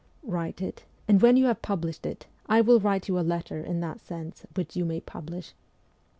Write it, and when you have published it, I will write you a letter in that sense which you may publish.'